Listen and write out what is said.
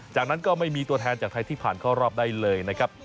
จากนั้นก็ไม่มีตัวแทนจากไทยที่ผ่านเข้ารอบได้เลยนะครับ